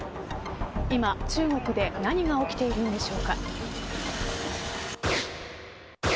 今、中国で何が起きているんでしょうか。